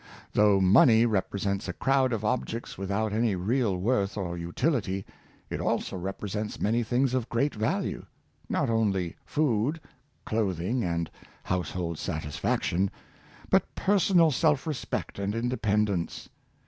Though money represents a crowd of objects without any real worth or utility, it also represents many things of great value; not only food, clothing, and household satisfaction, but personal self respect and independence.